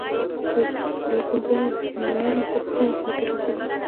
یو سل او پنځه نوي یمه پوښتنه د مارکیټینګ په اړه ده.